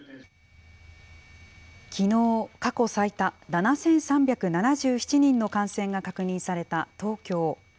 きのう、過去最多７３７７人の感染が確認された東京。